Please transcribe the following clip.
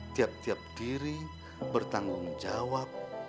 tiap tiap diri bertanggung jawab